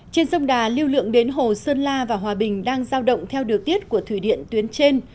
trên sông đà lưu lượng đến hồ sơn la và hòa bình đang giao động theo điều tiết của thủy điện tuyến trên